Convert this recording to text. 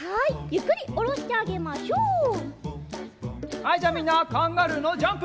はいじゃあみんなカンガルーのジャンプ！